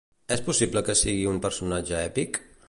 És possible que sigui un personatge èpic?